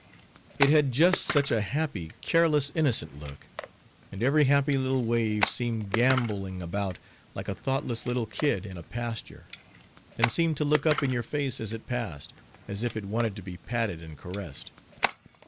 It had just such a happy, careless, innocent look; and every happy little wave seemed gamboling about like a thoughtless little kid in a pasture; and seemed to look up in your face as it passed, as if it wanted to be patted and caressed.